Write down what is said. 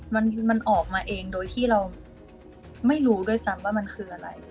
มันมันออกมาเองโดยที่เราไม่รู้ด้วยซ้ำว่ามันคืออะไร